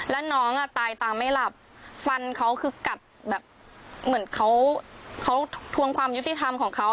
แล้วน้องอ่ะตายตามไม่หลับฟันเขาคือกัดแบบเหมือนเขาเขาทวงความยุติธรรมของเขา